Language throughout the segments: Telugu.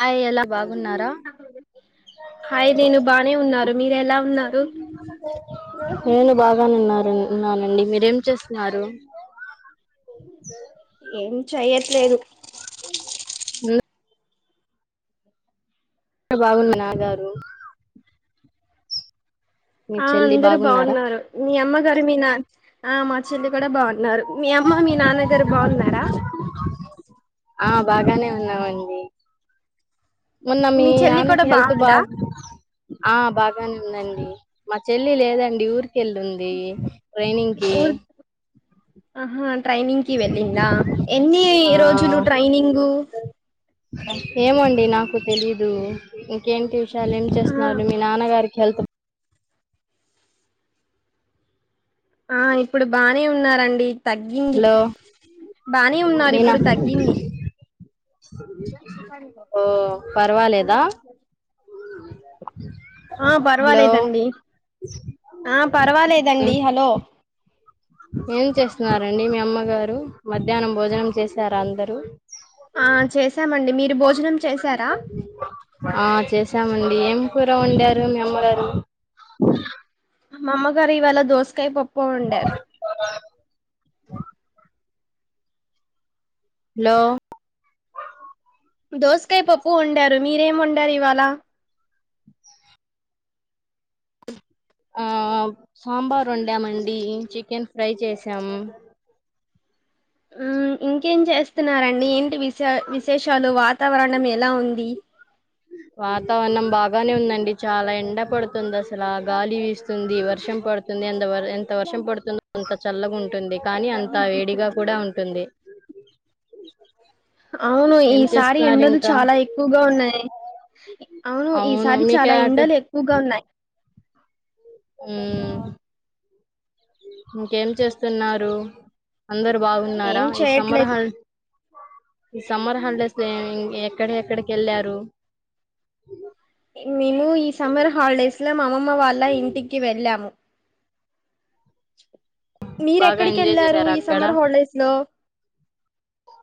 హాయ్ ఎలా బాగున్నారా హయ్ నేను బానే ఉన్నారు మీరు ఎలా ఉన్నారు నేను బాగానేన్నారు ఉన్నానండి మీరేం చేస్తున్నారు ఏం చేయట్లేదు మ్ బాగున్నా నాన్నగారు ఆ అందరు బాగున్నారా బాగున్నారు మీ అమ్మగారు మీ నాన్న ఆ మా చెల్లి కూడా బాన్నారు మీ అమ్మ మీ నాన్న ఇద్దరు బాగున్నారా ఆ బాగానే ఉన్నామండి మొన్న మీ చెల్లి కూడా నాన్నకి హెల్త్ బా బాగుందా ఆ బాగానే ఉందండి మా చెల్లి లేదండి ఊరికి ఎళ్ళుంది ట్రైనింగ్ కి ట్రైనింగ్కి వెళ్ళిందా ఎన్ని ఆ రోజులు ట్రైనింగు ఏమోండి నాకు తెలీదు ఇంకేంటి వి చాల ఏం ఆ చేస్తున్నారు మీ నాన్నగారికి హెల్తు ఆ ఇప్పుడు బానే ఉన్నారండి తగ్గింది హలో బానే ఉన్నారు మీనా ఇప్పుడు తగ్గింది ఓ పర్వాలేదా ఆ హలో పర్వాలేదండి ఆ పర్వాలేదండి హలో ఏం చేస్తున్నారండి మీ అమ్మగారు మధ్యాహ్నం భోజనం చేసారు అందరూ ఆ చేసామండి మీరు భోజనం చేసారా ఆ చేసామండి ఏం కూర వండారు మీ అమ్మగారు అమ్మగారు ఇవాళ దోసకాయ పప్ పోండారు హలో దోసకాయ పప్పు ఒండారు మీరేం ఒండ్ డార్ ఇవాలా ఆ సాంబార్ వండామండి చికెన్ ఫ్రై చేసాము ఊ ఇంకేం చేస్ స్తున్నారండి ఏంటి విశే విశేషాలు వ వాతావరణం ఎలా ఉంది వాతావరణం బాగానే ఉందండి చాలా ఎండ పడుతు తుంది అసల గాలి వీస్తుంది వర్షం పడుతుంది ఎంత ఎంత వర్షం పడుతుందో అంత చల్లగున్ అవును ఏం ఈసారి చేస్తున్నారు ఎండలు ఇంకా చాలా ఎక్కువగా ఉన్నాయి అవును ఈసారి మీకే చాలా అటు ఎండలు ఎక్కువగా ఉన్నాయి ఊ ఇంకేం చేస్తున్నారు అందరు బాగున్నారా ఏం ఈ చేయట్లేదు సంమరహాలు ఈ సమ్మర్ హాలిడేస్ ఏం ఎక్కడ ఎక్కడికి ఎళ్ళారు మేము ఈ సమ్మర్ హాలిడేస్లో మామమ్మ వాళ్ళ ఇంటికి వెళ్ళాము మీరు బాగా ఎక్కడికి ఎంజాయ్ ఎళ్ళారు చేశారా ఈ సమ్మర్ హాలిడేస్ లో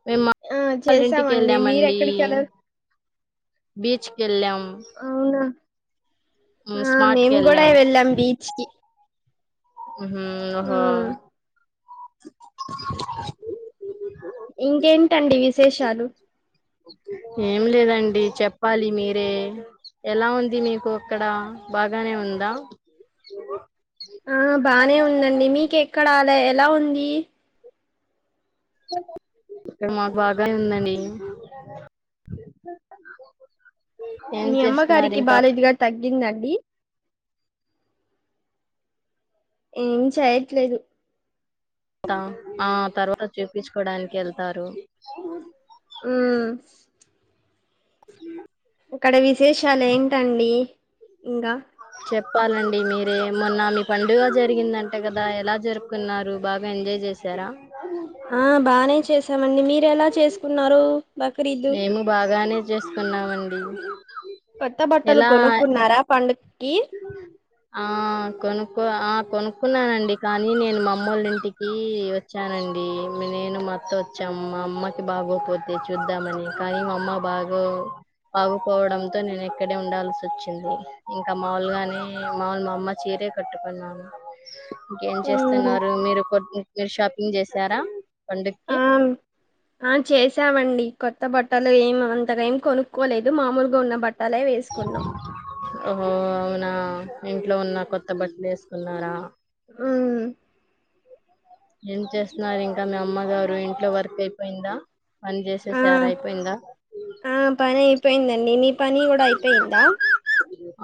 మేమ ఆ వాళ్ళింటికి చేసామండి వెళ్ళామండి మీరెక్కడికి వెళ్ళారు బీచ్కి ఎళ్ళాం అవునా ఆ మేము కూడా వెళ్ళాం బీచ్ కి ఉహు ఆ ఓహో ఇంకేంటండి విశేషాలు ఏం లేదండి చెప్పాలి మీరే ఎలా ఉంది మీకు అక్కడ బాగానే ఉందా ఆ బాగనే ఉందండి మీకె ఇక్కడ అదే ఎలా ఉంది ఇక్కడ మాకు బాగానే ఉందండి ఏం మీ చేస్తున్నారు అమ్మగారకి ఇంకా బాలేదు గా తగ్ గ్గిందా అండి ఏం చేయట్లేదు ఆ ఆ తర్వాత చెప్పించుకోవడానికి ఏళ్తారు ఉమ్ ఇక్కడ విశేషాలు ఏంటండి ఇంగా చెప్పాలండి మీరే మొన్న మీ పండుగ జరిగిందంట కదా ఎలా జరుపుకున్నారు బాగా ఎంజాయ్ చేశారా ఆ బానే చేస్ స్తమండి మీరు ఎలా చేసుకున్నారు బక్రీద్ మేము బాగానే చేసుకున్నామండి కొత్త బట్టలు ఎలా కొనుక్కున్నారా పండుగకి ఆ కొనుకో ఆ కొనుక్కున్నానండి కానీ నేను మా అమ్మోల్ల ఇంటికి వచ్చానండి నేను మా అత్త వచ్చాము మా అమ్మకి బాగోపోతే చూద్దామని కానీ మా అమ్మ బాగో బాగపోవడంతో నేను ఎక్కడే ఉండాల్సి వచ్చింది కా మాములుగానే మాములు మా అమ్మ చీరే కట్టుకున్నా ఏం ఉమ్ చేస్తున్నారు మీరు కొట్ను మీరు షాపింగ్ చేసారా పండుగకి ఆ ఆ చేసావండి కొత్ త్త బట్టలు ఏం అంతగా ఏం కొనుక్కోలేదు మామూలుగా ఉన్న బట్ ఓహో అవునా ఇంట్లో ఉన్న కొత్త బట్టలు ఏసుకున్నారా హూ మ్ ఏం చేస్తున్నారు ఇంకా మీ అమ్మగారు ఇంట్లో వర్క్ అయిపోయిందా పని ఆ చేసేసారు అయిపోయిందా పోయిందండి నీ పని కూడా అయిపోయిందా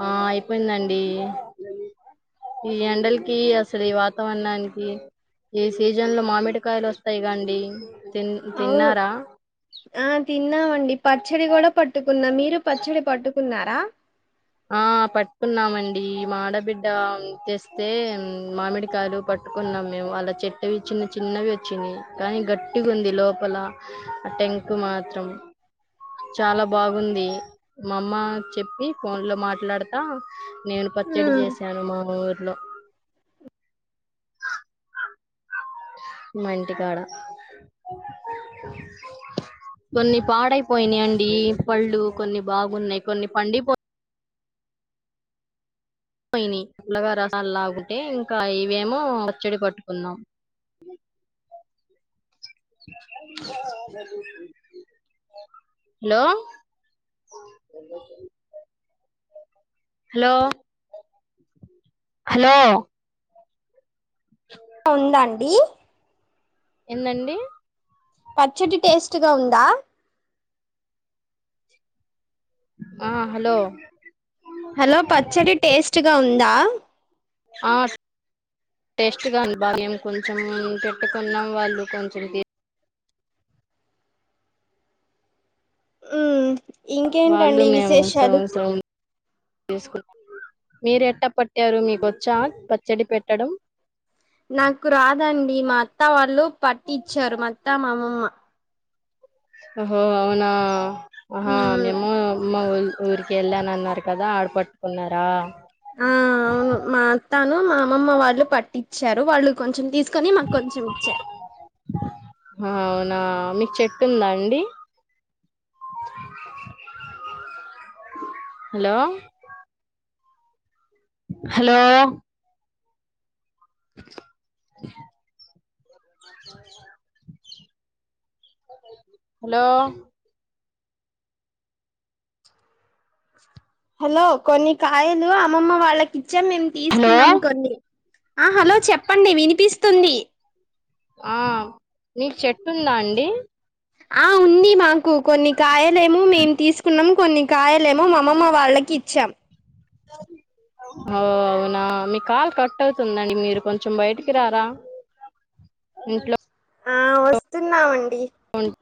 ఆ అయిపోయిందండి ఈ ఎండలకి అసలు ఈ వాతావరణానికి ఈ సీజన్ లో మామిడికాయలు వస్తాయి గా అండి తిన్ అవును తిన్నారా ఆ తిన్నామండి పచ్చడి కూడా పట్ ట్టుకున్న మీరు పచ్చడి పట్టుకున్నారా ఆ పట్టుకున్నామండి ఈ మాడబిడ్డ తెస్తే మామిడికాయలు పట్టుకున్నాం మేము వాళ్ళ చెట్టు వి చిన్న చిన్నవి వచ్చినాయి కానీ గట్టిగా ఉంది లోపల ఆ టెంక్ మాత్రం చాలా బాగుంది మా అమ్మ చెప్పి ఫోన్ లో మాట్లాడతా నేను పచ్చడి చేశాను మా ఊర్ లో మా ఇంటికాడ కొన్ని పాడైపోయినాయి అండి పళ్ళు కొన్ని బాగున్నాయి కొన్ని పండిపో పోయినీయ్ పలగా రసాలు లాగుటే ఇంకా ఇవేమో పచ్చడి పట్టుకుందాం హలో హలో హలో ఉందా అండి ఎందండి పచ్చడి టేస్ట్ గా ఉందా ఆ హలో హలో పచ్చడి టేస్ట్గా ఉందా ఆ టేస్ట్గా అను భాగ్యం కొంచెం పెట్టుకున్నాం వాళ్ళు కొంచెం తీ హ్మ్ వాళ్ళు ఇంకేంటండి విశేషాలు మీర ఎట్ట పట్టారు మీకొచ్చా పచ్చడి పెట్టడం త వాళ్ళు పట్టిచ్చారు మత్తా మా అమమ్మ ఒహో అవునా ఆహా హ్మ్. మేము మా వొ ఊరికి వెళ్ళాన అన్నారు కదా ఆడ పట్టుకున్నారా తాను మా అమ్మమ్మ వాళ్ళు పట్టిచ్చారు వాళ్ళు కొంచెం తీసుకు కని మాకు కొంచెం ఇచ్చా అవునా మీకు చెట్టు ఉందా అండి హలో హలో హలో హలో కొన్ని కాయలు అమ్మమ్మ వాళ్ళకి ఇచ్చాం మేము హలో తీసుకున్నాం కొన్ని ఆ హలో చెప్పండి వినిపిస్త తుంది ఆ నీకు చెట్టు ఉందా అండి ఆ ఉంది మాకు కొన్ని కాయలేమో మేము తీసుకున్నాము కొన్ని కాయలేమో మామ్మమ్మ వాళ్ళకి ఇచ్చాం అ అవునా మీ కాలు కట్ అవుతుందండి మీరు కొంచెం బయటికి రారా ఇంట్లో ఆ వస్తున్నామండి డి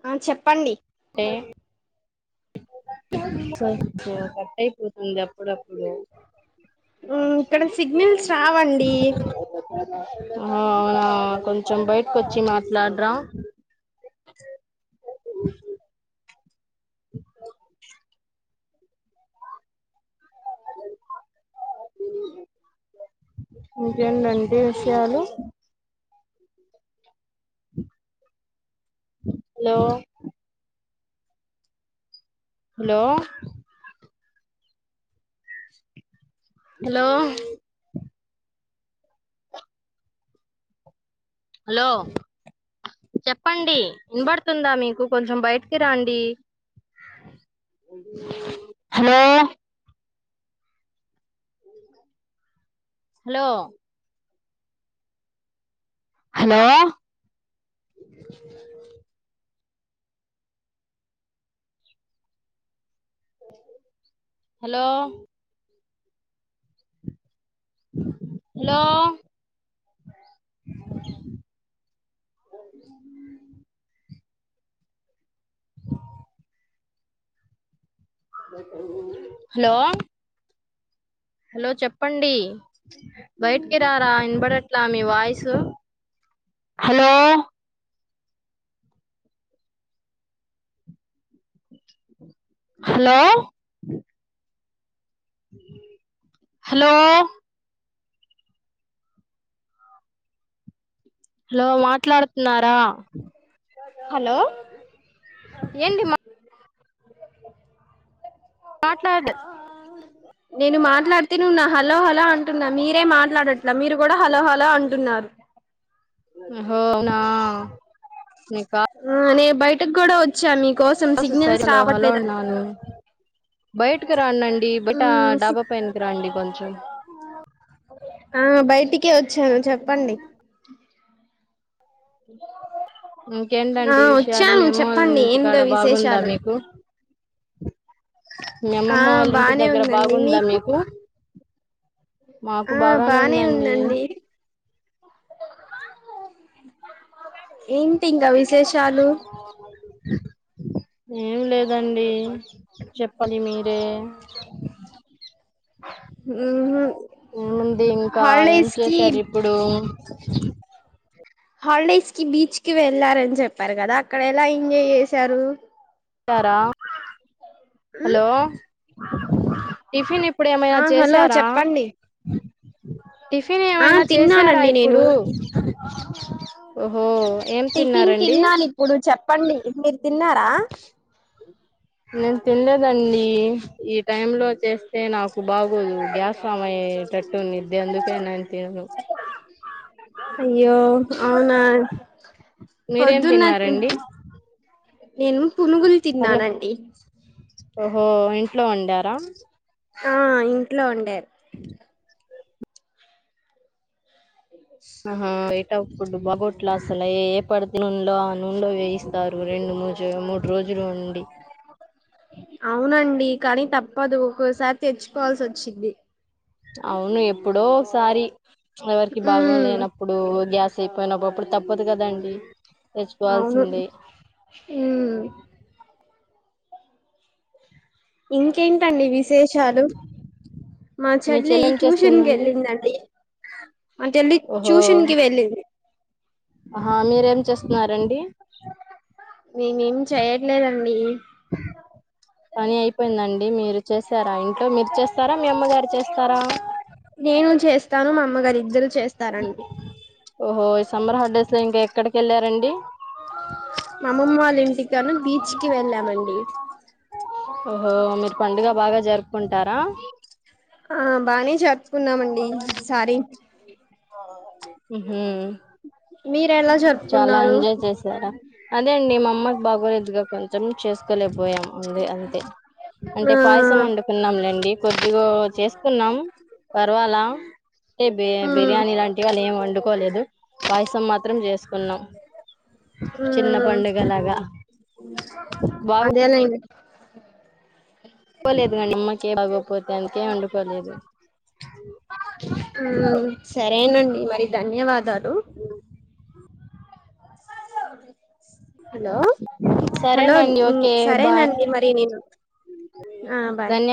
ఆ చెప్పండి సర కట్ అయిపోతుంది అప్పుడు అప్ హ్మ్ ఇక్కడ సిగ్నల్స్ రావండి అవునా కొంచెం బయటకోచ్చి మాట్లాడరా ఇంకేండండి విషయాలు హలో హలో హలో హలో చెప్పండి వినబడుతుందా మీకు కొంచెం బయటికి రండి hello hello hello hello hello hello hello చెప్పండి బయటికి రారా వినబడట్లా మీ voice hello hello hello hello మాట్లాడుతున్నారా హలో ఏంటి మా మాట్లాడే డత ను నా హలో హలో అంటున్నా మీరే మాట్లాడట్లే మీరు కూడా హలో హలో అంటున్నారు హోనా ఆ నేబ్ బయటకు కూడా వచ్చా మీక్ కోసం కాల్స్ సరి సిగ్నల్స్ రావట్లేదు బయటకు రానం డి బయట ఆ డాబా పైనికి రాండి కొంచెం ఆ బయటికే వచ్చాను చెప్పండి ఆ ఇంకేంటంటే ఈ విషయాలు వచ్చాను మీ అమ్మ వాళ్ళ చెప్పండి ఇంటికాడ ఏంటో బాగుందా విశేషాలు మీకు మీ ఆ అమ్మమ్మ వాళ్ళ ఇంటి బానే దగ్గర ఉందండి బాగుందా మీకు మాకు ఆ బాగానే బానే ఉందండి ఏంటి ఇంగ విశేషాలు ఏం లేదండి చప్పలి మీరే ఉహు ఉంది ఇంకా ఏం హాలిడేస్ కి చేశారు ఇప్పుడు హాలిడేస్ కి బీచ్ కి వెళ్లారని చెప్పారు కదా అక్కడ ఎలా ఎంజాయ్ చేశారు టారా ఉమ్ హలో టిఫిన్ ఇప్పుడు ఏమైనా ఆ హలో చేసారా చెప్పండి టిఫిన్ ఆ ఏమైనా చేసారా తిన్నానండి నేను ఇప్పుడు [inaudible] ఏం టిఫిన్ తిన్నారండి తిన్నాను ఇప్పుడు చెప్పండి. మీరు తిన్నారా నేను తినలేదండి ఈ టైం లో చేస్త అయి నాకు బాగోదు గ్యాస్ సమ అయ్యో అవునా! [inaudible] మీరేం పొద్దున్న తిన్నారండి? నేను పునుగులు తిన్నానండి. ఓ ఇంట్లో వండారా ఆ ఇంట్లో అండి స యిట్ ఫు అబౌట్ లాస్ అల ఏ పడుతే నునెలో ఆ నూనెలో వేయి తారు రెండు మూ మూడు రోజులు ఉండి పద ఒక్కసారి తెచ్చుకోవాల్సి వచ్చింది. అవును ఎప్పుడో ఒకసారి ఎవరికి భాగం ఉమ్ లేనప్పుడు గ్యాస్ యిపోయినప్పుప్పుడు తప్పదు కదండి అవును తెచ్చుకోవాల్సిందే ఇంకేంటండి విశేషాలు మా మీ చెల్లి చెల్లెం ట్యూషన్ కి చేస్తుందండి వెళ్ళిందిండి. మా చెల్లి ట్యూషన్ కి వెళ్ళింది. ఆ మీరేం చేస్తున్నారండి. మేమేమి చేయట్లేదండి. పని అయిపోయిందండి. మీరు చేసారా ఇంట్లో మీరు చేస్తారా, మీ అమ్మగారు చేస్తారా నేను చేస్తాను మా అమ్మగారు ఇద్దరు చేస్తారండి ఓహో. సమ్మర్ హాలిడేస్లో ఇంకా ఎక్కడికి వెళ్ళారండి మామ్మమ్మ వాళ్ళ ఇంటికాను బీచ్కి వెళ్ళామండి ఓహో మీరు పండుగ బాగా జరుపుకుంటారా ఆ బానే జపుకున్నామండి సార హ మీరెలా చాలా జరుపుకున్నారు ఎంజాయ్ చేసారా అదే నే మ అమ్మకి బాగోలేదుగా కొంచెం చేసు క్కలే పోయాము ఉంది అంతే ఆ అంటే పాయసం వండుకున్నాంలేండి. కొద్దిగా చేసుకున్నాం పర్వాలా అంటే బి మ్మ్ బిర్యానీ లాంటి వండుకోలేదు పాయసం మాత్రం చేసు న్నాం చిన్న మ్మ్ పండుగలాగా బాగు అదేలేండి పోలేదుగ నిమ్మకి బాగోక హ్మ్ సరేనండి మరి ధన్యవాదాలు హలో హలో సరేనండి ఓకే బాయ్ సరేనండి మరి నేనుఆ బాయ్ ధన్య